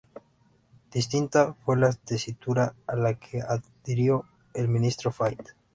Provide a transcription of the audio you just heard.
Distinta fue la tesitura a la que adhirió el ministro Fayt.